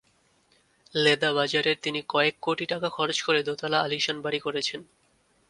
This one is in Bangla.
লেদা বাজারে তিনি কয়েক কোটি টাকা খরচ করে দোতলা আলিশান বাড়ি করেছেন।